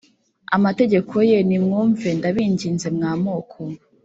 amategeko ye Nimwumve ndabinginze mwa moko